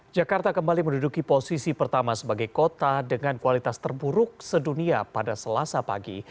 jakarta kembali menduduki posisi pertama sebagai kota dengan kualitas terburuk sedunia pada selasa pagi